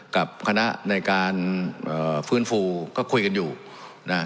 กับคณะในการเอ่อฟื้นฟูก็คุยกันอยู่นะ